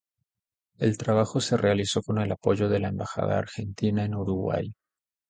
El trabajo se realizó con el apoyo de la Embajada Argentina en Uruguay.